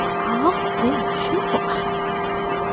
嗷！你唔舒服呀？